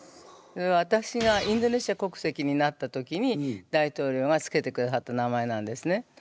私がインドネシア国籍になった時に大統領がつけてくださった名前なんですね。